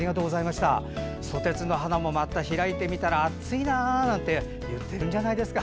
ソテツの花も開いてみたら暑いなって言っているんじゃないんですか。